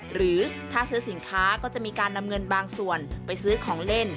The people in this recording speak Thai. หรือถ้าซื้อสินค้าก็จะมีการนำเงินบางส่วนไปซื้อของเล่น